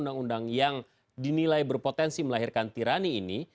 kalau ada yang seperti itu ya kita buka tendang